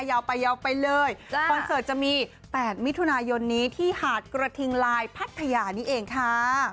ยาวไปยาวไปเลยคอนเสิร์ตจะมี๘มิถุนายนนี้ที่หาดกระทิงลายพัทยานี่เองค่ะ